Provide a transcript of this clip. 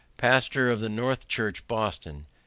Pastor of the North Church, Boston.